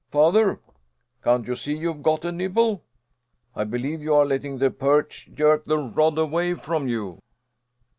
"Father! Can't you see you've got a nibble? I believe you are letting the perch jerk the rod away from you."